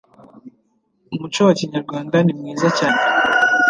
umuco wa kinyarwanda nimwiza cyane.